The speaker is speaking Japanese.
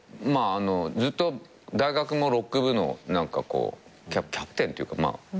ずっと大学もロック部のキャプテンっていうかやってた。